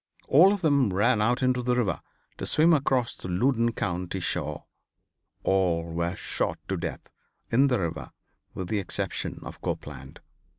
All of them ran out into the river to swim across to the Loudon County shore. All were shot to death in the river with the exception of Copeland.